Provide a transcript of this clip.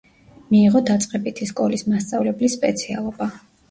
მიიღო დაწყებითი სკოლის მასწავლებლის სპეციალობა.